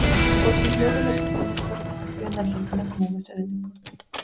Por sus logros deportivos fue reconocida en Argentina como Maestra del Deporte.